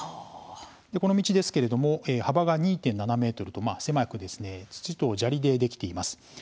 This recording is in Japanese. この道ですけれども幅が２．７ｍと狭く土と砂利でできています。